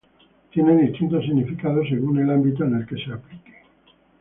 Tiene distintos significados según el ámbito en el que se aplique.